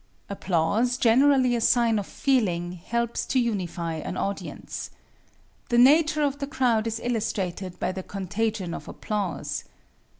Applause, generally a sign of feeling, helps to unify an audience. The nature of the crowd is illustrated by the contagion of applause.